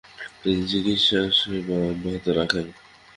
তিনি চিকিৎসা সেবা অব্যাহত রাখেন।